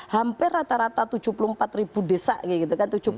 hampir rata rata tujuh puluh empat ribu desa